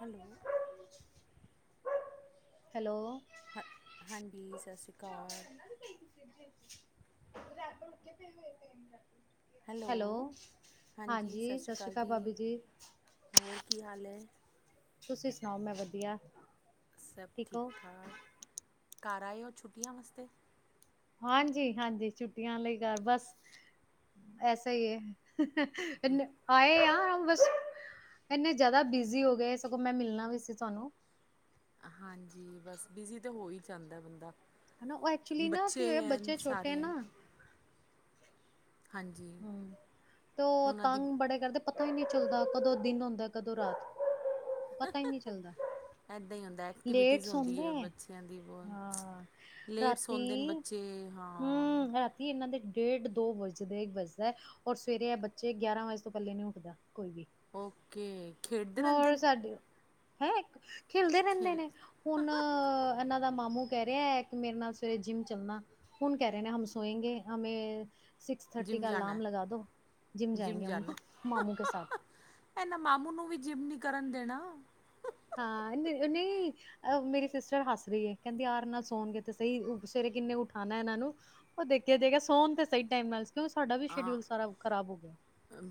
Hello. Hello. ਹ ਹਾਂਜੀ, ਸਤਿ ਸ਼੍ਰੀ ਅਕਾਲ। [unintelligible] ਹੈਲੋ। ਹਾਂਜੀ, ਸਤਿ ਸ਼੍ਰੀ ਅਕਾਲ ਭਾਬੀ ਜੀ ਹੋਰ ਕੀ ਹਾਲ ਏ? ਤੁਸੀਂ ਸੁਣਾਓ, ਮੈਂ ਵਧੀਆ। ਸਭ ਠੀਕ ਠਾਕ, ਘਰ ਆਏ ਹੋ ਛੁੱਟੀਆਂ ਵਾਸਤੇ? ਹਾਂਜੀ-ਹਾਂਜੀ, ਛੁੱਟੀਆਂ ਲਈ ਕਰ ਬਸ, ਐਸਾ ਹੀ ਏ। ਇਸਨੇ ਹਾਂ ਏ ਆ ਬਸ ਇਨੇ ਜ਼ਿਆਦਾ ਬਿਜੀ ਹੋ ਗਏ ਸਗੋਂ ਮੈਂ ਮਿਲਣਾ ਵੀ ਸੀ ਤੁਹਾਨੂੰ। ਹਾਂਜੀ, ਬਸ ਬਿਜ਼ੀ ਤਾਂ ਹੋ ਹੀ ਜਾਂਦਾ ਬੰਦਾ। ਹਨਾ ਉਹ ਐਕਚੁਲੀ ਨਾ ਬੱਚੇ ਕੀ ਹੋਇਆ ਐ ਬੱਚੇ ਛੋਟੇ ਸਾਰੇ ਐ। ਨਾ ਹਾਂਜੀ ਹੂੰ, ਤੇ ਉਹ ਉਹਨਾਂ ਦੀ ਤੰਗ ਬੜੇ ਕਰਦੇ। ਪਤਾ ਹੀ ਨਹੀਂ ਚੱਲਦਾ। ਕਦੋਂ ਦਿਨ ਹੁੰਦਾ, ਕਦੋਂ ਰਾਤ ਪਤਾ ਹੀ ਨਹੀਂ ਚੱਲਦਾ। ਇੱਦਾਂ ਹੀ ਹੁੰਦਾ‌ ਲੇਟ ਐਕਟੀਵਿਟੀਜ਼ ਹੁੰਦੀ ਸੌਦੇ ਐ ਹੈ ਬੱਚਿਆਂ ਦੀ ਬਹੁਤ ਹਾਂ ਲੇਟਸ ਸੋਦੇ ਨੇ ਰਾਤੀ ਬਸ। ਜੇ ਹਾਂ। ਹੂੰ, ਰਾਤੀ ਇਹਨਾਂ ਦੇ ਡੇਢ ਦੋ ਵੱਜਦੇ [unintelligible] ਔਰ ਸਵੇਰੇ ਐ ਬੱਚੇ ਗਿਆਰਾਂ ਵਜੇ ਤੋਂ ਪਹਿਲੇ ਨੀ ਉੱਠਦਾ ਕੋਈ ਵੀ। ਓਕੇ ਖੇਡਦੇ ਰਹਿੰਦੇ ਹੋਰ ਨੇ ਸਾਡੇ ਹੈ। ਖੇਲਦੇ ਰਹਿੰਦੇ ਖੇਲ ਨੇ ਹੁਣ ਇਹਨਾਂ ਦਾ ਮਾਮੂ ਕਹਿ ਰਿਹਾ ਕਿ ਮੇਰੇ ਨਾਲ ਸਵੇਰੇ ਜਿੰਮ ਚੱਲਣਾ। ਹੁਣ ਕਹਿ ਰਹੇ ਨੇ, ਹਮ ਸੋਏ ਗੇ, ਹਮੇ ਸਿਕਸ। ਥਰਟੀ ਜਿੰਮ ਜਾਣਾ ਅਲਾਰਮ ਲਗਾ ਦੋ, ਜਿਮ ਜਿੰਮ ਜਾਏਂਗੇ ਜਾਣਾ ਮਾਮੂ ਕੇ ਸਾਥ। ਇਹਨਾਂ ਮਾਮੂ ਨੂੰ ਵੀ ਜਿਮ ਨੀ ਕਰਨ ਦੇਣਾ। ਹਾਂ, ਏਨੇ ਓ ਨਹੀਂ। ਅ ਮੇਰੀ ਸਿਸਟਰ ਹੱਸ ਰਹੀ ਏ, ਕਹਿੰਦੀ ਆਰ ਨਾਲ ਸੋਣਗੇ ਤੇ ਸਹੀ, ਸਵੇਰੇ ਕਿੰਨੇ ਉਠਾਣਾ ਇਹਨਾਂ ਨੂੰ। ਉਹ ਦੇਖਿਆ ਜਾਏਗਾ, ਸੋਣ ਤੇ ਸਹੀ ਟਾਈਮ ਨਾਲ ਕਿਉਂਕਿ ਸਾਡਾ ਵੀ ਸ਼ਡਿਊਲ ਸਾਰਾ ਖ਼ਰਾਬ ਹੋ ਗਿਆ।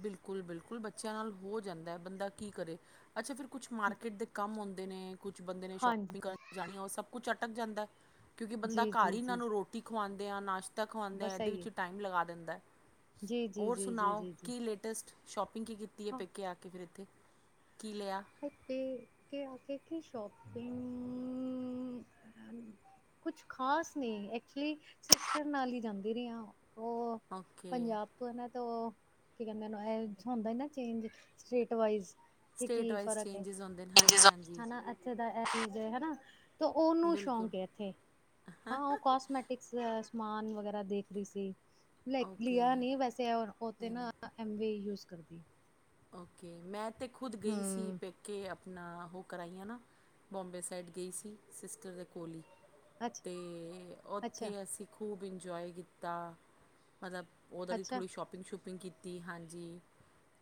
ਬਿਲਕੁਲ-ਬਿਲਕੁਲ, ਬੱਚਿਆਂ ਨਾਲ ਹੋ ਜਾਂਦਾ ਐ, ਬੰਦਾ ਕੀ ਕਰੇ? ਅੱਛਾ ਫਿਰਰ ਕੁੱਛ ਮਾਰਕੀਟ ਦੇ ਕੰਮ ਹੁੰਦੇ ਨੇ, ਕੁਛ ਬੰਦੇ ਨੇ ਹਾਂਜੀ ਸ਼ੋਪਿੰਗ ਕਰਨ ਜਾਣੀ ਉਹ ਸਭ ਕੁਛ ਅਟਕ ਜਾਂਦਾ ਕਿਉਂਕਿ ਬੰਦਾ ਘਰ ਹੀ ਇਹਨਾਂ ਨੂੰ ਰੋਟੀ ਖਵਾਉਂਦੇ ਆ, ਨਾਸ਼ ਤਾ ਖਵਾਦੇ ਹੈ, ਇਹਦੇ ਵਿੱਚ ਟਾਈਮ ਲਗਾ ਦਿੰਦਾ। ਹੋਰ ਸੁਣਾਓ ਕੀ ਲੇਟੈਸਟ ਸ਼ੋਪਿੰਗ ਕੀ ਕੀਤੀ ਹੈ, ਪੇਕੇ ਆ ਕੇ ਫਿਰ ਇੱਥੇ ਕੀ ਲਿਆ? ਆ ਕੇ [unintelligible] ਸ਼ੋਪਿੰਗ ਕੁਛ ਖ਼ਾਸ ਨਹੀਂ ਐਕਚੁਲੀ ਸਿਸਟਰ ਨਾਲ ਹੀ ਜਾਂਦੀ ਰਹੀ ਆ ਓ ਓਕੇ ਪੰਜਾਬ। ਪਹਿਲਾਂ ਉਹ ਕੀ ਕਹਿੰਦੇ ਓਹਨੂੰ [unintelligible] ਚੇਂਜ ਸਟਰੇਟ ਵਾਈਜ। ਸਟੇਟ ਕੀ ਵਾਈਜ਼ ਫਰਕ ਐ ਚੇਂਜਸ ਹੁੰਦੇ ਨੇ ਹਾਂਜੀ ਹਾਂਜੀ ਹਨਾ। ਇਥੇ ਦਾ ਇਹ ਚੀਜ਼ ਹਨਾ ਤੇ ਉਹਨੂੰ ਬਿਲਕੁਲ ਸ਼ੌਂਕ ਇੱਥੇ ਹਾਂ ਉਹ ਕਸਮੈ, ਟਿਕਸ ਸਮਾਨ ਵਗੈਰਾ ਦੇਖ ਰਹੀ ਸੀ ਲ ਓਕੇ ਲਿਆ ਨੀ ਵੈਸੇ ਓ ਤੇ ਨਾ। ਐਵੇਂ ਯੂਜ ਕਰਦੀ ਐ। ਓਕੇ ਮੈਂ ਤਾਂ ਖੁਦ ਗਈ ਸੀ ਹੂੰ, ਪੇ, ਕੇ ਆਪਣਾ ਉਹ ਕਰਾਈਆਂ ਨਾ ਬੋਂਬੇ ਸਾਈਡ ਗਈ ਸੀ ਸਿਸਟਰ ਦੇ ਕੋਲ ਈ। ਅੱਛਾ, ਤੇ ਅੱਛਾ, ਉੱਥੇ ਅਸੀਂ ਖੂਬ ਇੰਜੋਏ ਕੀਤਾ। ਮਤਲਬ ਓਦਾ ਦੀ ਅੱਛਾ, ਥੋੜ੍ਹੀ ਸ਼ੋਪਿੰਗ ਸ਼ੂਪਿੰਗ ਕੀਤੀ ਹਾਂਜੀ।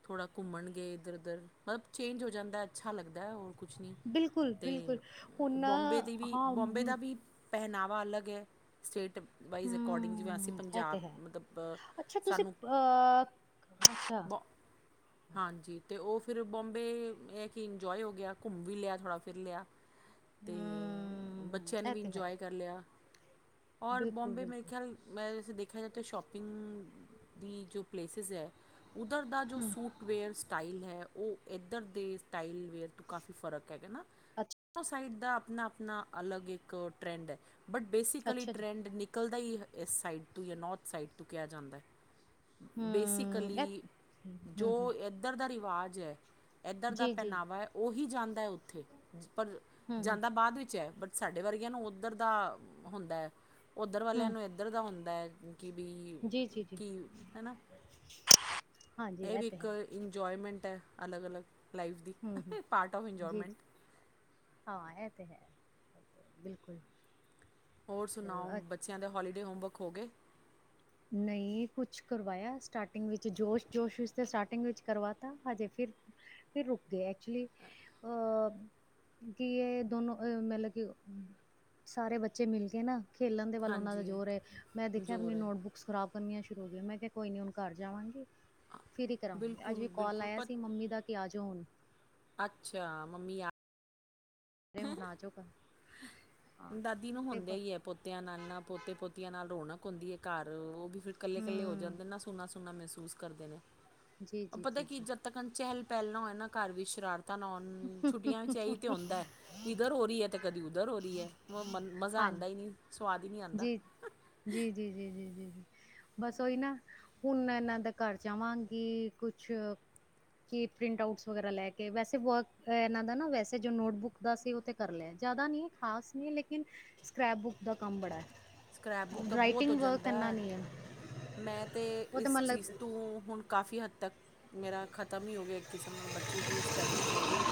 ਥੋੜ੍ਹਾ ਘੁੰਮਣ ਗਏ ਇੱਧਰ ਉੱਧਰ ਮਤਲਬ ਚੇਂਜ ਹੋ ਜਾਂਦਾ ਅੱਛਾ ਲੱਗਦਾ ਓ। ਕੁਛ ਨਹੀਂ ਬਿਲਕੁਲ, ਬਿਲਕੁਲ ਤੇ ਹੁਣ ਨਾ ਬੋਮਬੇ ਦੀ ਵੀ ਹਾਂ ਬੋਮਬੇ ਹੂੰ, ਦਾ ਵੀ। ਪਹਿਨਾਵਾ ਅਲੱਗ ਐ। ਸਟੇਟ ਵਾਈਜ਼ ਅਕੋਡਿੰਗ ਜਿਵੇਂ ਅਸੀਂ ਹੂੰ, ਇਹ ਤੇ ਪੰਜਾਬ ਹੈ ਮਤਲਬ ਅੱਛਾ ਤੁਸੀਂ ਸਾਨੂੰ। ਅ ਅੱਛਾ। [unintelligible] ਹੂੰ, ਹਾਂਜੀ ਤੇ ਉਹ ਫਿਰ ਬੋਂਬੇ ਇਹ ਕਿ ਇੰਜੋਏ ਹੋ ਗਿਆ ਘੁੰਮ ਵੀ ਲਿਆ ਥੋੜ੍ਹਾ ਫਿਰ ਲਿਆ। [unintelligible] ਤੇ ਬੱਚਿਆਂ ਨੇ ਇਹ ਵੀ ਤੇ ਹੈ ਇੰਜੋਏ ਕਰ ਲਿਆ ਔਰ ਬਿਲਕੁਲ, ਬੋਂਬੇ ਮੇਰੇ ਬਿਲਕੁਲ ਖਿਆਲ। ਮੈਂ ਵੈਸੇ ਦੇਖਿਆ ਜਾਏ ਤਾਂ ਸ਼ੋਪਿੰਗ ਦੀ ਜੋ ਪਲੇਸਿਸ ਹੈ ਉੱਧਰ ਦਾ ਜੋ ਹੂੰ, ਸੂਟ। ਵੇਅਰ ਸਟਾਈਲ ਹੈ, ਓ ਇੱਧਰ ਦੇ ਸਟਾਈਲ। ਅ ਤੋਂ ਕਾਫੀ ਫਰਕ ਹੈਗਾ ਨਾ ਅੱਛਾ, ਸਾਈਡ ਦਾ ਆਪਣਾ ਆਪਣਾ ਅਲਗ ਇੱਕ ਟ੍ਰੈਂਡ ਐ। ਬਟ ਬੇਸਿਕਲੀ ਅੱਛਾ ਜੀ ਟਰੈਂਡ ਨਿਕਲਦਾ ਹੀ ਇਸ ਸਾਈਡ ਤੋਂ ਜਾਂ ਨੌਰਥ ਸਾਈਡ ਤੋਂ ਕਿਹਾ ਜਾਂਦਾ। ਹੂੰ, ਇਹ ਬੇਸਿਕਲੀ। ਹੂੰ, ਜੋ ਹੂੰ, ਇੱਧਰ ਦਾ ਰਿਵਾਜ਼ ਐ ਇੱਧਰ ਜੀ, ਦਾ ਜੀ, ਪਹਿਨਾਵਾ। ਉਹੀ ਜਾਂਦਾ ਉੱਥੇ ਪਰ ਹੂੰ, ਹੂੰ, ਜਾਂਦਾ ਬਾਅਦ ਵਿੱਚ ਐ ਬਟ। ਸਾਡੇ ਵਰਗਿਆਂ ਨੂੰ ਉੱਧਰ ਦਾ ਹੁੰਦਾ ਉੱਧਰ ਵਾਲਿਆਂ ਹੂੰ, ਨੂੰ ਇੱਧਰ ਦਾ ਹੁੰਦਾ। ਕਿ ਵੀ ਜੀ, ਜੀ, ਜੀ ਕੀ ਹੈਨਾ। [unintelligible] ਇਹ ਵੀ ਤੇ ਇੱਕ ਹੈ ਇੰਜੋਏਮੈਂਟ ਐ ਅਲੱਗ-ਅਲੱਗ ਲਾਈਫ ਦੀ ਹੂੰ, ਹੂੰ, ਪਾਰਟ ਆਫ ਜੀ, ਇੰਜੋਏਮੈਂਟ। ਜੀ ਹਾਂ ਇਹ ਤੇ ਹੈ ਬਿਲਕੁਲ। ਹੋਰ ਸੁਣਾਓ ਤੇ ਬੱਚਿਆਂ ਦੇ ਹੋਲੀਡੇ ਹੋਮਵਰਕ ਹੋ ਗਏ। ਨਹੀਂ, ਕੁਛ ਕਰਵਾਇਆ ਸਟਾਰਟਿੰਗ ਵਿੱਚ ਜੋਸ਼ ਜੋਸ਼ ਵਿੱਚ ਤੇ ਸਟਾਰਟਿੰਗ ਵਿੱਚ ਕਰਵਾ ਤਾ ਹਜੇ ਫਿਰ ਫਿਰ ਰੁਕ ਗਏ, ਐਕਚੁਲੀ ਅਹ ਕੀ ਇਹ ਦੋਨੋ ਮਤਲਬ, ਕਿ ਸਾਰੇ ਬੱਚੇ ਮਿਲ ਕੇ ਨਾ ਖੇਲਣ ਦੇ ਵੱਲ ਉਹਨਾਂ ਦਾ ਹਾਂਜੀ ਜ਼ੋਰ ਐ, ਮੈਂ ਦੇਖਿਆ ਜ਼ੋਰ ਆਪਣੀ ਹੈ ਨੋਟਬੁੱਕ ਖਰਾਬ ਕਰਨੀਆਂ ਸ਼ੁਰੂ ਹੋ ਗਈਆਂ, ਮੈਂ ਕਿਹਾ ਕੋਈ ਨੀ ਹੁਣ ਕਰ ਜਾਵਾਂਗੀ। ਫਿਰ ਹੀ ਕਰਾਵਾਂਗੇ ਅੱਜ ਵੀ ਬਿਲਕੁਲ ਕਾਲ ਬਿਲਕੁਲ ਆਇਆ ਪਰ ਸੀ ਮੰਮੀ ਦਾ ਕਿ ਆਜੋ ਹੁਣ। ਅੱਛਾ, ਮੰਮੀ ਯਾ ਨਹੀਂ ਹੁਣ ਆਜੋ, ਹਾਂ ਦਾਦੀ ਨੂੰ ਤੇ ਬ- ਹੁੰਦਿਆਂ ਈ ਐ ਪੋਤਿਆਂ ਨਾਲ-ਨਾਲ ਪੋਤੇ ਪੋਤਆਂ ਨਾਲ ਰੌਣਕ ਹੁੰਦੀ ਐ ਘਰ ਉਹ ਵੀ ਫਿਰ ਕੱਲੇ-ਕੱਲੇ ਹੋ ਹੂੰ ਜਾਂਦੇ ਨਾ ਸੁੰਨਾ-ਸੁੰਨਾ ਮਹਿਸੂਸ ਕਰਦੇ ਨੇ ਜੀ ਜੀ ਪਤਾ ਜੀ ਕੀ ਜੀ ਚੱਕਰ ਐ। ਤਾਂ ਚਹਿਲ ਪਹਿਲ ਨਾ ਹੋਏ ਨਾ ਘਰ ਵੀ ਸ਼ਰਾਰਤਾਂ ਨਾ ਹੋਣ। ਛੁੱਟੀਆਂ ਵਿੱਚ ਇਹੀ ਤਾਂ ਹੁੰਦਾ ਇੱਧਰ ਹੋ ਰਹੀ ਐ ਤੇ ਕਦੀ ਉੱਧਰ ਹੋ ਰਹੀ ਐ। ਮਨ ਮਜ਼ਾ ਆਂਦਾ ਈ ਨੀ ਸਵਾਦ ਈ ਨੀ ਆਂਦਾ। ਜੀ-ਜੀ, ਜੀ-ਜੀ, ਜੀ-ਜੀ। ਬਸ ਓਹੀ ਨਾ ਹੁਣ ਇਹਨਾਂ ਦੇ ਘਰ ਜਾਵਾਂਗੀ ਕੁਛ ਕੀ ਪ੍ਰਿੰਟ ਆਊਟਸ ਵਗੈਰਾ ਲੈ ਕੇ, ਵੈਸੇ ਵਰਕ ਇਹਨਾਂ ਦਾ ਨਾ ਵੈਸੇ ਜੋ ਨੋਟਬੁੱਕ ਦਾ ਸੀ ਉਹ ਤੇ ਕਰ ਲਿਆ, ਜ਼ਿਆਦਾ ਨੀ ਏ ਖਾਸ ਨਹੀਂ ਲੇਕਿਨ। ਸਕ੍ਰੈਪ ਬੁੱਕ ਦਾ ਕੰਮ ਬੜਾ ਐ। ਸਕ੍ਰੈਪ ਬੁੱਕ ਤਾਂ ਬਹੁਤ ਹੋ ਜਾਂਦਾ ਐ, ਹੈ ਮੈਂ ਤਾਂ ਉਹ ਇਸ ਚੀਜ਼ ਮਤਲਬ ਤੋਂ ਹੁਣ ਕਾਫੀ ਹੱਦ ਤੱਕ, ਮੇਰਾ ਖਤਮ ਹੀ ਹੋ ਗਿਆ। ਕਿਸਮ ਨਾਲ ਬੱਚੇ ਦੀਆਂ ਸਟੱਡੀਜ਼ ਹੋ ਗਈ,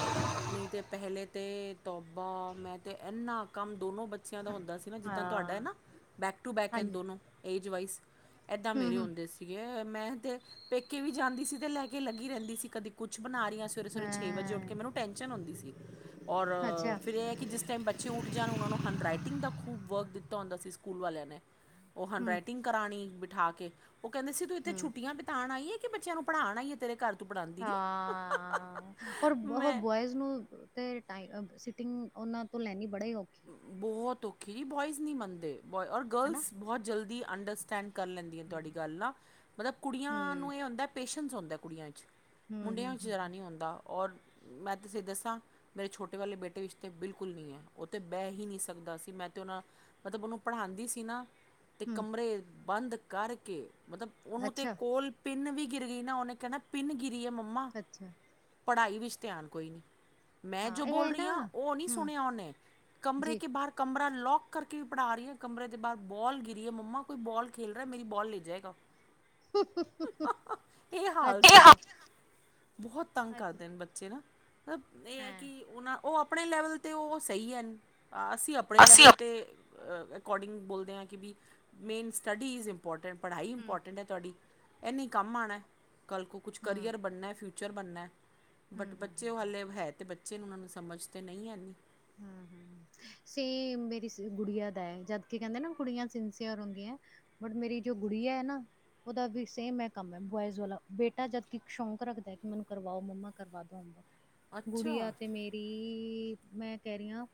ਨਹੀਂ ਤਾਂ ਪਹਿਲੇ ਤੇ ਤੋਬਾ ਮੈਂ ਤੇ ਐਨਾ ਕੰਮ ਦੋਨੋਂ ਬੱਚਿਆਂ ਦਾ ਹੁੰਦਾ ਸੀ ਨਾ, ਜਿੱਦਾਂ ਤੁਹਾਡਾ ਹੈ ਹਾਂ ਨਾ। ਬੈਕ ਟੂ ਬੈਕ ਐਨ ਹਾਂਜੀ ਦੋਨੋਂ ਏਜ ਵਾਈਜ਼, ਐਦਾਂ ਹੂੰ ਮੇਰੇ ਹੂੰ ਹੁੰਦੇ ਸੀ। ਠੀਕ ਐ, ਮੈਂ ਤੇ ਪੇਕੇ ਵੀ ਜਾਂਦੀ ਸੀ ਤੇ ਲੈ ਕੇ ਲੱਗੀ ਰਹਿੰਦੀ ਸੀ, ਕਦੇ ਕੁੱਛ ਬਣਾ ਰੀਆਂ। ਸਵੇਰੇ-ਸਵੇਰੇ ਛੇ ਵਜੇ ਉੱਠ ਕੇ ਹਾਂ ਮੈਨੂੰ ਟੈਨਸ਼ਨ ਹੁੰਦੀ ਸੀ, ਔਰ ਅੱਛਾ ਫਿਰ ਇਹ ਹੈ ਕਿ ਜਿਸ ਟੈਮ ਬੱਚ ਪਿੱਛੇ ਉੱਠ ਜਾਣ ਉਹਨਾਂ ਨੂੰ ਹੈਂਡਰਾਈਟਿੰਗ ਦਾ ਖੂਬ ਵਰਕ ਦਿੱਤਾ ਹੁੰਦਾ ਸੀ ਸਕੂਲ ਵਾਲਿਆਂ ਨੇ, ਉਹ ਹੈਂਡ ਹੂੰ ਰਾਈਟਿੰਗ ਕਰਾਣੀ ਬਿਠਾ ਕੇ, ਉਹ ਕਹਿੰਦੇ ਸੀ ਤੂੰ ਇੱਥੇ ਹੂੰ ਛੁੱਟੀਆਂ ਬਿਤਾਣ ਆਈਏ ਕਿ ਬੱਚਿਆਂ ਨੂੰ ਪੜ੍ਹਾਣ ਆਈਏ, ਤੇਰੇ ਘਰ ਤੂੰ ਪੜ੍ਹਾਉਂਦੀ ਹਾਂ, ਹੋਰ- ਨਹੀਂ ਹੋਰ ਮੈਂ ਬੋਆਏਜ਼ ਉਹਨੂੰ ਟੈ ਤੇ ਸੀਟਿੰਗ ਉਹਨਾਂ ਤੋਂ ਲੈਣੀ ਬੜਾ ਹੀ ਔਖੀ। ਬਹੁਤ ਔਖੀ ਜੀ ਬੋਆਇਜ਼ ਨਹੀਂ ਮੰਨਦੇ, ਬੌ ਔਰ ਹੈ ਹਨਾ ਗਰਲਸ ਬਹੁਤ ਜਲਦੀ ਅੰਡਰਸਟੈਂਡ ਕਰ ਲੈਂਦੀਆਂ ਹੂੰ ਤੁਹਾਡੀ ਗੱਲ ਨਾ, ਮਤਲਬ ਕੁੜੀਆਂ ਹੂੰ ਨੂੰ ਇਹ ਹੁੰਦਾ ਪੇਸ਼ੈਂਸ ਹੁੰਦਾ ਕੁੜੀਆਂ ਚ। ਹੂੰ, ਮੁੰਡਿਆਂ ਹੂੰ, ਵਿੱਚ ਹੂੰ, ਜ਼ਰਾ ਹੂੰ, ਨਹੀਂ ਹੁੰਦਾ, ਔਰ ਮੈਂ ਤੁਸੀਂ ਦੱਸਾਂ, ਮੇਰੇ ਛੋਟੇ ਵਾਲੇ ਬੇਟੇ ਵਿਚ ਤੇ ਬਿਲਕੁਲ ਨਹੀਂ ਐ। ਉਹ ਤੇ ਬਹਿ ਹੀ ਨਹੀਂ ਸਕਦਾ ਸੀ, ਮੈਂ ਤੇ ਉਹਨਾਂ ਮਤਲਬ ਉਹਨੂੰ ਪੜ੍ਹਾਂਦੀ ਸੀ ਨਾ। ਤੇ ਹੂੰ ਕਮਰੇ ਬੰਦ ਕਰਕੇ, ਮਤਲਬ ਉਹਨੂੰ ਤੇ ਅੱਛਾ, ਕੋਲ ਪਿੰਨ ਵੀ ਗਿਰ ਗਈ ਨਾ, ਉਹਨੇ ਕਹਿਣਾ ਪਿੰਨ ਗਿਰੀ ਐ ਮੰਮਾ। ਅੱਛਾ ਪੜ੍ਹਾਈ ਵਿੱਚ ਧਿਆਨ ਕੋਈ ਨਹੀਂ, ਮੈਂ ਹਾਂ ਜੋ ਬੋਲ ਇਹ ਰਹੀ ਨਾ ਆਂ ਉਹ ਨਹੀਂ ਹੂੰ ਸੁਣਿਆ ਉਹਨੇ, ਕਮਰੇ ਜੀ ਕੇ ਬਾਹਰ ਕਮਰਾ ਲੌਕ ਕਰਕੇ ਵੀ ਪੜ੍ਹਾ ਰਹੀ ਆਂ, ਕਮਰੇ ਦੇ ਬਾਹਰ ਬੌਲ ਗਿਰੀ ਐ ਮੰਮਾ ਕੋਈ ਬੋਲ ਖੇਲ ਰਿਹਾ, ਮੇਰੀ ਬੌਲ ਲੇ ਜਾਏਗਾ। [unintelligible] ਹ-ਹ-ਹ ਇਹ ਹਾਲ ਅੱਛਾ, ਸੀਗਾ, ਬਹੁਤ ਤੰਗ ਅੱਛਾ ਕਰਦੇ ਨੇ ਬੱ ਬੱਚੇ ਨਾ ਮਤਲਬ ਇਹ ਐ, ਹਾਂ ਕਿ ਉਹ ਨਾ ਉਹ ਆਪਣੇ ਲੈਵਲ ਤੇ ਉਹ ਸਹੀ ਐ। ਅਸੀਂ ਆਪਣੇ ਲੈਵਲ ਦੇ ਅਕੋਡਿੰਗ ਬੋਲਦੇ ਹਾਂ, ਕਿ ਵੀ ਮੇਨ ਸਟੱਡੀਜ ਇੰਪੋਟੈਂਟ ਪੜ੍ਹਾਈ ਹੂੰ, ਇੰਪੋਟੈਂਟ ਐ ਤੁਹਾਡੀ, ਇਹਨੀ ਕੰਮ ਆਣਾ ਕੱਲ ਕੋ ਕੁਛ ਹੂੰ, ਕਰੀਅਰ ਬਣਨਾ ਫਿਊ ਫਿਊਚਰ ਬਣਨਾ, ਹੂੰ, ਹੂੰ, ਬਟ ਬੱਚੇ ਹੂੰ, ਉਹ ਹੂੰ। ਹਲੇ ਹੈ ਤੇ ਬੱਚੇ ਨੇ, ਉਹਨਾਂ ਨੂੰ ਸਮਝ ਤੇ ਨਈ ਐਨੀ। ਹੂੰ, ਹੂੰ [unintelligible] ਸੇਮ ਮੇਰੀ ਗੁੜੀਆਂ ਦਾ ਐ, ਜਦ ਕਿ ਕਹਿੰਦੇ ਨਾ ਕੁੜੀਆਂ ਸਿੰਸਈਅਰ ਹੁੰਦੀਆਂ। ਬਟ ਮੇਰੀ ਜੋ ਗੁੜਿਆ ਐ ਨਾ ਉਹਦਾ ਵੀ ਸੇਮ ਇਹ ਕੰਮ ਐ ਬੋਇਜ਼ ਵਾਲਾ, ਬੇਟਾ ਜਦ ਸ਼ੌਂਕ ਰੱਖਦਾ ਕਿ ਮੈਨੂੰ ਕਰਵਾਓ, ਮੰਮਾ ਕਰਵਾ ਦੋ। ਹੋਮਵਰਕ [inaudible] ਗੁੜੀਆ ਤੇ ਮੇਰੀ, ਮੈਂ ਕਹਿ ਰਹੀ ਆਂ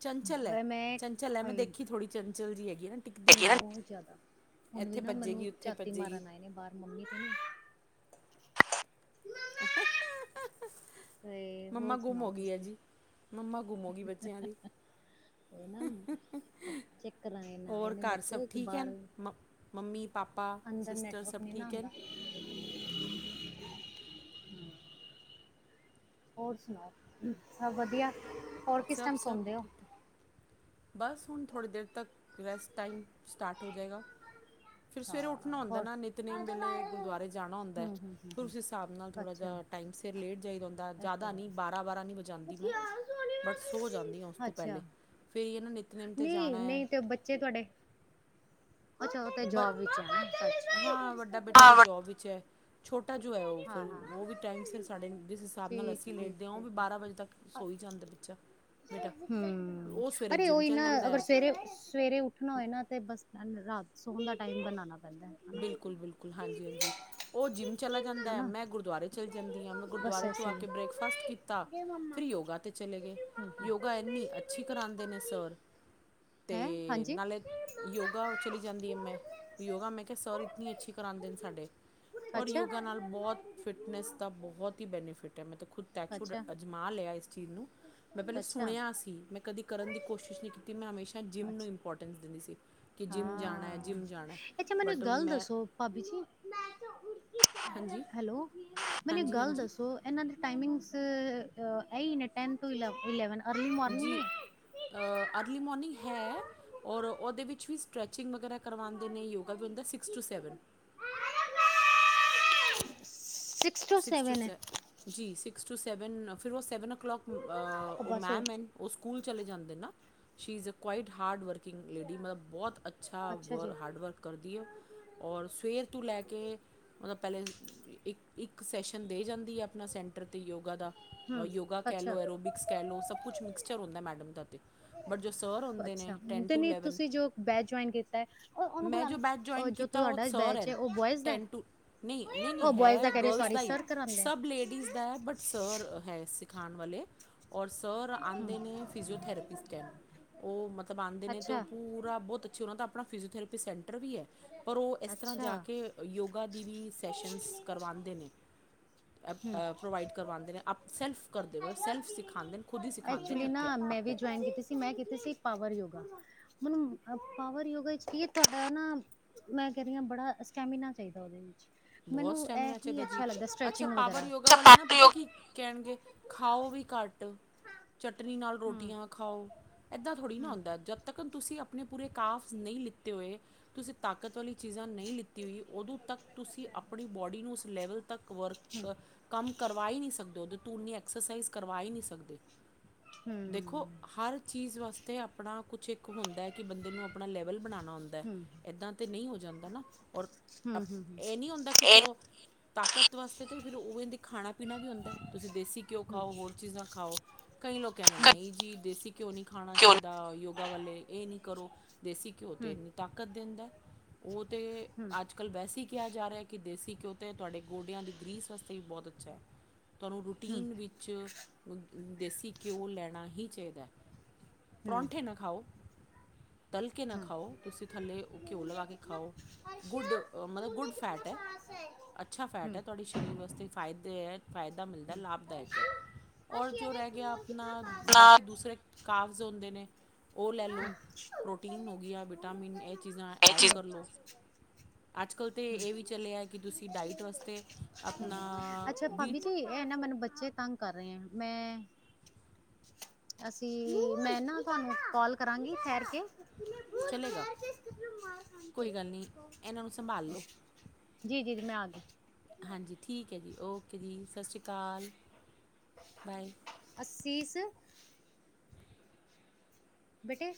ਚੰਚਲ ਐ -ਚੰਚਲ ਐ, ਮੈਂ ਦੇਖੀ ਥੋੜ੍ਹੀ ਚੰਚਲ ਜਿਹੀ ਹੈਗੀ ਹੈ ਨਾ। ਟਿਕਦੀ ਹੈਗੀ ਨਹੀਂ ਐ ਨਾ, ਹੈ ਬਹੁਤ ਜ਼ਿਆਦਾ ਹੁਣ ਵੀ ਇੱਥੇ ਨਾ ਮੈਨੂੰ ਭੱਜੇਗੀ ਉੱਥੇ ਝਾਤੀ ਭੱਜੇਗੀ ਮਾਰਨ ਆਏ ਨੇ, ਬਾਹਰ ਮੰਮੀ ਤੇ ਨਾ [unintelligible] ਤੇ ਮੰਮਾ ਹੋਰ ਗੁੰਮ ਸੁਣਾਓ ਹੋ ਗਈ ਐ ਤੁਸੀਂ ਜੀ, ਮੰਮਾ ਗੁੰਮ ਹੋ ਗਈ ਬੱਚਿਆਂ ਦੀ ਉਹ ਨਾ ਚੱਕਰ ਲਏ ਨਾਏ ਨੇ ਬੱਚੇ ਕਿ ਬਾਹਰ ਹਨ ਮ ਮੰਮੀ ਪਾਪਾ ਅੰਦਰ ਸਿਸਟਰ ਨੈਟਵਰਕ ਸਭ ਨਹੀਂ ਨਾ ਠੀਕ ਆਂਦਾ। ਹਨ ਹੋਰ ਸੁਣਾਓ ਸਭ ਵਧੀਆ, ਹੋਰ ਕਿਸ ਸਭ ਟਾਈਮ ਸਭ ਸੌਂਦੇ ਹੋ। ਠੀਕ ਬਸ ਹੁਣ ਥੋੜ੍ਹੀ ਦੇਰ ਤੱਕ, ਰੈਸਟ ਟਾਈਮ ਸਟਾਟ ਹੋ ਜਾਏਗਾ। ਫਿਰ ਸਵੇਰੇ ਹਾਂ ਉੱਠਣਾ ਹੁੰਦਾ ਹੋਰ ਨਾ, ਨਿਤਨੇਮ ਵੇਲੇ ਗੁਰਦੁਆਰੇ ਜਾਣਾ ਹੁੰਦਾ, ਹਮ ਹਮ ਹਮ ਫਿਰ ਹਮ ਉਸ ਹਿਸਾਬ ਨਾਲ ਥੋੜ੍ਹਾ ਅੱਛਾ ਜਾ ਟਾਈਮ ਸਿਰ ਲੇਟ ਜਾਈਦਾ ਹੁੰਦਾ, ਇਹ ਤੇ ਜ਼ਾਦਾ ਹੈ ਨਹੀਂ ਬਾਰਾਂ-ਬਾਰਾਂ ਨਹੀਂ ਵਜਾਂਦੀ ਮੈਂ, ਬਟ ਸੌ ਹੋ ਜਾਂਦੀ ਆਂ ਉਸ ਤੋਂ ਅੱਛਾ ਪਹਿਲੇ ਫਿਰ ਇਹ ਨਾ ਨਿਤਨੇਮ 'ਤੇ ਨਹੀਂ- ਜਾਣਾ ਹੈ ਨਹੀਂ ਤੇ ਉਹ ਬੱਚੇ ਤੁਹਾਡੇ, ਅੱਛਾ। ਤੇ ਬ, ਜੋਬ ਵਿੱਚ ਹੈ ਹਾਂ ਵੱਡਾ ਬੇਟਾ ਤੇ ਹਾਂ ਜੋਬ ਵਿੱਚ ਐ। ਛੋਟਾ ਜੋ ਹੈ ਉਹ ਫਿਰ ਹਾਂ ਹਾਂ ਉਹ ਵੀ ਟਾਈਮ ਸਿਰ ਸਾਡੇ ਜਿਸ ਹਿਸਾਬ ਨਾਲ ਠੀਕ ਠੀਕ ਅਸੀਂ ਠੀਕ ਲੇਟਦੇ ਹਾਂ, ਉਹ ਵੀ ਠੀਕ ਬਾਰਾਂ ਵਜੇ ਤੱਕ ਸੋਈ ਜਾਂਦਾ ਬੱਚਾ। ਬੇਟਾ ਹੂੰ, ਉਹ ਸਵੇਰੇ ਅਰੇ ਜਿੰਮ ਓਹੀ ਚਲ ਨਾ ਜਾਂਦਾ ਅਗਰ ਹੈ ਸਵੇਰੇ ਸਵੇਰੇ ਉੱਠਣਾ ਹੋਏ ਨਾ ਤੇ ਬਸ ਰਾਤ ਸੋਣ ਦਾ ਟਾਈਮ ਬਣਾਣਾ ਪੈਂਦਾ। ਬਿਲਕੁਲ-ਬਿਲਕੁਲ, ਹਾਂਜੀ-ਹਾਂਜੀ। ਓ ਜਿੰਮ ਚਲਾ ਹਨਾ। ਜਾਂਦਾ। ਹਨਾ, ਮੈਂ ਗੁਰਦੁਆਰੇ ਚਲੀ ਜਾਂਦੀ ਆ ਮੈਂ ਬਸ ਗੁਰਦੁਆਰੇ ਤੋਂ ਐਸੇ ਆ ਹੀ। ਕੇ ਬ੍ਰੇਕਫਾਸਟ ਕੀਤਾ। ਫਿਰ ਯੋਗਾ ਤੇ ਚਲੇ ਗਏ। ਹੂੰ, ਯੋਗਾ ਇੰਨੀ ਐਨੀ ਅੱ ਛੀ ਹੂੰ। ਕਰਾਂਦੇ ਨੇ ਸਰ, ਹੈਂ, ਤੇ ਹਾਂਜੀ। ਨਾਲੇ ਯੋਗਾ ਚਲੀ ਜਾਂਦੀ ਆ ਮੈਂ ਯੋਗਾ ਮੈਂ ਕਿਹਾ ਸਰ ਇਤਨੀ ਅੱਛੀ ਕਰਾਂਦੇ ਨੇ ਸਾਡੇ ਔਰ ਅੱਛਾ। ਯੋਗਾ ਨਾਲ ਬਹੁਤ ਫਿਟਨੈਸ ਦਾ ਬਹੁਤ ਹੀ ਬੈਨੀਫਿਟ ਐ ਮੈਂ ਖੁਦ ਟੱਚ ਅੱਛਾ, ਅਜਮਾ ਲਿਆ ਇਸ ਚੀਜ਼ ਨੂੰ ਮੈਂ ਪਹਿਲੇ ਅੱਛਾ, ਸੁਣਿਆ ਸੀ। ਮੈਂ ਕਦੀ ਕਰਨ ਦੀ ਕੋਸ਼ਿਸ਼ ਨਹੀਂ ਕੀਤੀ। ਮੈਂ ਹਮੇਸ਼ਾ ਜਿੰਮ ਨੂੰ ਅੱਛਾ। ਇੰਪੋਰਟੈਂਸ ਦਿੰਦੀ ਸੀ। ਕਿ ਜਿੰਮ ਜਾਣਾ, ਹਾਂ ਜਿੰਮ ਜਾਣਾ। ਅੱਛਾ। ਮੈਨੂੰ ਬਟ ਇੱਕ ਹੁਣ ਗੱਲ ਮੈਂ ਦੱਸੋ ਭਾਬੀ ਜੀ ਹਾਂਜੀ ਹੈਲੋ, ਮੈਨੂੰ ਇੱਕ ਹਾਂਜੀ ਗੱਲ ਹਾਂਜੀ ਦੱਸੋ? ਇਹਨਾਂ ਦੇ ਟਾਈਮਿੰਗਸ ਇਹੀ ਨੇ ਟੈਨ ਟੂ ਇ- ਇਲੈਵਨ ਅਰਲੀ ਮੋਰਨਿੰਗ ਜੀ ਨੇ ਅਰਲੀ ਮੋਰਨਿੰਗ ਹੈ। ਔਰ ਉਹਦੇ ਵਿੱਚ ਵੀ ਸਟਰ੍ਰੈਚਿੰਗ ਵਗੈਰਾ ਕਰਵਾਂਦੇ ਨੇ ਯੋਗਾ ਵੀ ਹੁੰਦਾ six to seven. [unintelligible] Six to, six to seven ਜੀ, ਸਿਕਸ ਟੂ ਸੈਵਨ ਫਿਰ ਉਹ ਸੈਵਨ ਓ ਕਲੋਕ ਓ ਬਸ ਹੋ ਮੈਮ ਐ ਉਹ ਸਕੂਲ ਚਲੇ ਜਾਂਦੇ ਨਾ। She is quite hard work working lady ਮਤਲਬ ਬਹੁਤ ਅੱਛਾ ਵਰ ਹਾਰਡ ਵਰਕ ਕਰਦੀ ਐ ਓ। ਔਰ ਸਵੇਰ ਤੋਂ ਲੈ ਕੇ ਮਤਲਬ ਪਹਿਲੇ ਇੱਕ ਇੱਕ ਸੈਸ਼ਨ ਦੇ ਜਾਂਦੀ ਐ ਆਪਣਾ ਸੈਂਟਰ 'ਤੇ ਯੋਗਾ ਦਾ। ਹਮ ਯੋਗਾ ਕਹਿ ਅੱਛਾ ਲਓ, ਔਰ ਓ ਵੀ ਕਹਿਲੋ ਸਭ ਕੁਛ ਮਿਕਸਚਰ ਹੁੰਦਾ ਮੈਡਮ ਦਾ ਤੇ, ਬਟ ਜੋ ਸਰ ਹੁੰਦੇ ਨੇ ਅੱਛਾ ਟੈਨ ਤੇ ਟੂ ਨਹੀਂ ਇਲੈਵਨ ਤੁਸੀਂ ਜੋ ਬੈਚ ਜੁਆਇਨ ਕੀਤਾ। ਮੈਂ ਜੋ ਬੈਚ ਜੁਆਇਨ ਜੋ ਕੀਤਾ ਉਹ ਤੁਹਾਡਾ ਸਰ ਐ, ਬੈਚ ਹੈ ਉਹ ਬੋਇਜ਼ ਦਾ ਟੈਨ ਟੂ ਨਹੀਂ, ਨਹੀਂ, ਨਹੀਂ ਉਹ ਬੋਇਜ਼ ਹੈ ਕਹਿ ਰਹੇ ਗਰਲਜ਼ ਸੋਰੀ ਦਾ ਹੀ। ਸਰ ਕਰਾਉਂਦੇ ਸਭ ਲੇਡੀਜ਼ ਦਾ ਐ ਬਟ ਸਰ ਐ ਸਿਖਾਣ ਵਾਲੇ ਔਰ ਸਰ ਹਮ ਆਂਦੇ ਨੇ ਫਿਜ਼ੀਓਥਰੇਪੀ ਸਟੈਨ ਉਹ ਮਤਲਬ ਆਂਦੇ ਨੇ ਤੇ ਉਹ ਅੱਛਾ ਪੂਰਾ ਬਹੁਤ ਅੱਛਾ ਉਹ ਦਾ ਆਪਣਾ ਫਿਜ਼ਓਥਰੇਪੀ ਸੈਂਟਰ ਵੀ ਐ। ਪਰ ਓ ਇਸ ਤਰ੍ਹਾਂ ਜਾ ਅੱਛਾ ਕੇ ਯੋਗਾ ਦੀ ਵੀ ਸੈਸ਼ਨਸ ਕਰਵਾਂਦੇ ਨੇ। ਹਮ ਪ੍ਰੋਵਾਈਡ ਕਰਵਾਂਦੇ ਨੇ ਆਪ ਸੈਲਫ ਕਰਦੇ, ਸੈਲਫ ਸਿਖਾਂਦੇ ਨੇ, ਖੁਦ ਹੀ ਸਿਖਾਂਦੇ ਨੇ ਐਕਚੁਲੀ ਤੇ ਨਾ ਮੈਂ ਵੀ ਆਪੇ ਜੁਆਇਨ ਕੀਤੀ ਸੀ ਮੈਂ ਕੀਤੀ ਸੀ ਪਾਵਰ ਯੋਗਾ, ਮੈਨੂੰ ਅ ਪਾਵਰ ਯੋਗਾ ਵਿੱਚਕੀ ਤੁਹਾਡਾ ਨਾ ਮੈਂ ਕਹਿ ਰਹੀ ਹਾਂ ਬੜਾ ਸਟੈਮੀਨਾ ਚਾਹੀਦਾ। ਉਹਦੇ ਵਿੱਚ ਬਹੁਤ ਮੈਨੂੰ ਸਟੈਮੀਨਾ ਇਹਹੀ ਚਾਹੀਦਾ ਜੀ ਅੱਛਾ ਲੱਗਦਾ। ਅੱਛਾ ਸਟ੍ਰੈਚਿੰਗ ਪਾਵਰ ਵਗੈਰਾ ਯੋਗਾ ਵਾਲੇ ਨਾ ਪਤਾ ਕੀ ਕਹਿਣਗੇ ਖਾਓ ਵੀ ਘੱਟ। ਚਟਨੀ ਨਾਲ, ਹਮ ਰੋਟੀਆਂ ਖਾਓ, ਇੱਦਾਂ ਥੋੜੀ ਨਾ ਹਮ ਹੁੰਦਾ ਜਦ ਤੱਕ ਤੁਸੀਂ, ਆਪਣੇ ਪੂਰੇ ਕਾਵਜ਼, ਨਹੀਂ ਲਿੱਤੇ ਹੋਏ। ਤੁਸੀਂ ਤਾਕਤ ਵਾਲੀ, ਚੀਜ਼ਾਂ ਨਹੀਂ ਲਿੱਤੀ। ਕੀ, ਵੀ, ਉਦੋਂ ਤੱਕ ਤੁਸੀਂ, ਆਪਣੀ ਬੋਡੀ ਨੂੰ, ਉਸ ਲੈਵਲ, ਤੱਕ ਵਰਕ ਕੰਮ। ਕਰਵਾ ਹੀ ਨਹੀਂ ਸਕਦੇ ਹੋ। ਉਹਦੇ ਤੋਂ ਇੰਨੀ ਐਕਸਰਸਾਈਜ਼, ਕਰਵਾ ਹੀ ਨਹੀਂ ਸਕਦੇ। ਹਮ ਦੇਖੋ। ਹਰ ਚੀਜ਼ ਵਾਸਤੇ, ਆਪਣਾ ਕੁਛ ਇੱਕ, ਹੁੰਦਾ ਕਿ, ਬੰਦੇ ਨੂੰ, ਆਪਣਾ ਲੈਵਲ ਬਣਾਉਣਾ ਹੁੰਦਾ। ਹਮ ਇੱਦਾਂ। ਤੇ ਨਹੀਂ ਹੋ ਜਾਂਦਾ ਨਾ ਔਰ ਹੂੰ ਅਪ ਹੂੰ, ਇਹ ਨਹੀਂ ਹੁੰਦਾ ਕਿ ਚਲੋ ਤਾਕਤ ਵਾਸਤੇ ਤਾਂ ਫਿਰ ਉਹ ਕਹਿੰਦੇ ਖਾਣਾ ਪੀਣਾ ਵੀ ਹੁੰਦਾ ਤੁਸੀਂ ਦੇਸੀ ਘਿਉ ਖਾਓ ਹੋਰ ਚੀਜ਼ਾਂ ਨਾ ਖਾਓ ਕਈ ਲੋਕ ਕਹਿੰਦੇ ਨਹੀਂ ਜੀ ਦੇਸੀ। ਘਿਓ ਨਹੀਂ ਖਾਣਾ ਚਾਹੀਦਾ। ਹਮ ਯੋਗਾ ਵਾਲੇ ਇਹ ਨੀ ਕਰੋ। ਦੇਸੀ ਘਿਓ 'ਤੇ ਤਾਕਤ ਦਿੰਦਾ। ਉਹ ਤਾਂ ਹਮ ਅੱਜ ਕੱਲ੍ਹ ਵੈਸੀ ਕਿਹਾ ਜਾ ਰਿਹਾ ਕਿ ਦੇਸੀ ਘਿਉ ਤੇ ਤੁਹਾਡੇ ਗੋਡਿਆਂ ਦੀ ਗ੍ਰੀਸ ਵਾਸਤੇ ਵੀ ਬਹੁਤ ਅੱਛਾ। ਤੁਹਾਨੂੰ ਰੂਟੀਨ ਵਿੱਚ ਦੇਸੀ ਘਿਓ ਲੈਣਾ ਹੀ ਚਾਹੀਦਾ। ਪਰੌਂਠੇ ਨਾਂ ਖਾਓ। ਤਲ ਕੇ ਨਾ ਖਾਓ ਤੁਸੀਂ ਥੱਲੇ ਘਿਓ ਲਗਾ ਕੇ ਖਾਓ ਗੁੱਡ ਮੱਤਲਬ ਗੁੱਡ ਫੈਟ ਐ। ਅੱਛਾ, ਫੈਟ ਹੈ। ਹਮ ਹਮ ਤੁਹਾਡੇ ਸਰੀਰ ਵਾਸਤੇ, ਫਾਇਦੇ ਹੈ। ਫਾਇਦਾ ਮਿਲਦਾ, ਲਾਭਦਾਇਕ ਹੈ। ਔਰ, ਜੋ ਰਹਿ ਗਿਆ। ਆਪਣਾ, ਬਾਕੀ ਦੂਸਰੇ ਕਾਵਜ਼, ਹੁੰਦੇ ਨੇ। ਉਹ ਲੈ ਲਓ। ਪ੍ਰੋਟੀਨ ਹੋ ਗਈ ਆ। ਵਿਟਾਮਿਨ, ਇਹ ਚੀਜ਼ਾਂ ਐਡ ਕਰ ਲਉ। ਅੱਜ ਕੱਲ, ਤਾਂ ਇਹ ਵੀ ਚੱਲਿਆ। ਕਿ ਤੁਸੀਂ, ਡਾਈਟ ਵਾਸਤੇ, ਆਪਣਾ ਅੱਛਾ ਭਾਬੀ ਵੀਟ। ਜੀ ਇਹ ਨਾ ਮੈਨੂੰ, ਬੱਚੇ ਤੰਗ ਕਰ ਰਹੇ ਆ, ਮੈਂ। ਅਸੀਂ, ਮੈਂ ਨਾ, ਤੁਹਾਨੂੰ ਕਾਲ ਕਰਾਂਗੀ। ਠੇਰ ਕੇ। ਚਲੇਗਾ ਕੋਈ ਗੱਲ ਨਹੀਂ ਇਹਨਾਂ ਨੂੰ ਸੰਭਾਲ ਲਓ [unintelligible] ਜੀ- ਜੀ, ਜੀ, ਮੈਂ ਆ ਗਿਈ। ਹਾਂਜੀ, ਠੀਕ ਹੈ ਜੀ। ਓਕੇ ਜੀ। ਸਤਿ ਸ਼੍ਰੀ ਅਕਾਲ। ਬਾਏ। ਅੱਸੀਸ। ਬੇਟੇ।